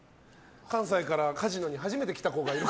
関西からカジノに初めて来た子がいる。